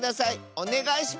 おねがいします！